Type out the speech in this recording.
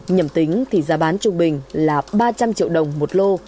nhầm tính thì giá bán trung bình là ba trăm linh triệu đồng một lô